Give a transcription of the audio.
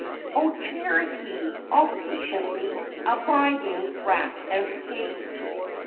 Oh Charity, all patiently Abiding wrack and scaith!